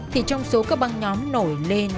thì trong số các băng nhóm nổi lên